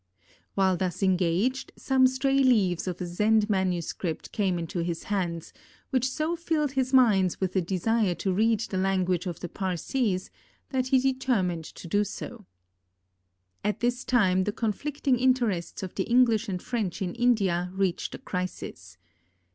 While thus engaged, some stray leaves of a Zend manuscript came into his hands, which so filled his mind with a desire to read the language of the Parsees that he determined to do so. At this time the conflicting interests of the English and French in India reached a crisis.